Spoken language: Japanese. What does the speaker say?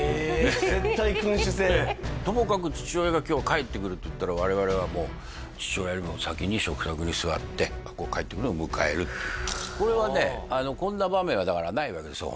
ええともかく父親が今日帰ってくるっていったら我々はもう父親よりも先に食卓に座ってこう帰ってくるのを迎えるこれはねこんな場面はだからないわけです